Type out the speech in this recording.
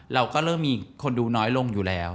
เราก็เริ่มมีคนดูน้อยลงอยู่แล้ว